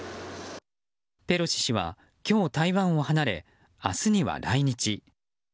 ペロシ氏は今日、台湾を離れ明日には来日。